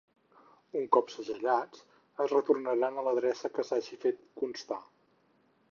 Un cop segellats es retornaran a l'adreça que s'hagi fet constar.